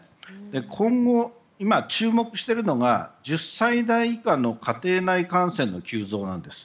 今後、注目しているのが１０歳台以下の家庭内感染の急増です。